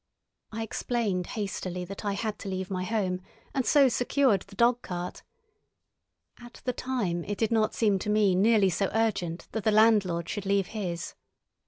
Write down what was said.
I explained hastily that I had to leave my home, and so secured the dog cart. At the time it did not seem to me nearly so urgent that the landlord should leave his.